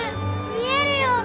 見えるよ！